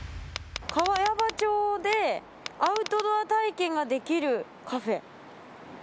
茅場町でアウトドア体験ができるカフェ。